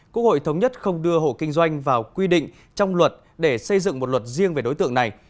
quốc hội thống nhất không đưa hộ kinh doanh vào quy định trong luật để xây dựng một luật riêng về đối tượng này